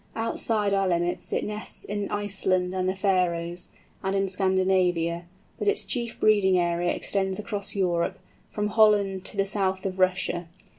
Outside our limits it nests in Iceland and the Faröes, and in Scandinavia; but its chief breeding area extends across Europe, from Holland to the south of Russia.